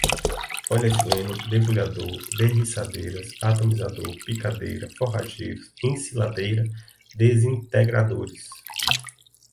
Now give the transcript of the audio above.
polietileno, debulhador, derriçadeiras, atomizador, picadeira, forrageiros, ensiladeira, desintegradores